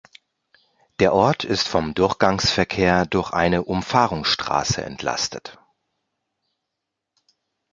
Der Ort ist vom Durchgangsverkehr durch eine Umfahrungsstraße entlastet.